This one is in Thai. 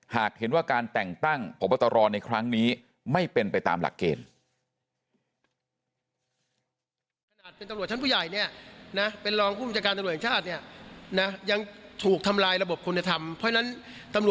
หากเห็นว่าการแต่งตั้งพบตรในครั้งนี้ไม่เป็นไปตามหลักเกณฑ์